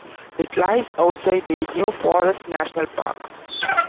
It lies outside the New Forest National Park.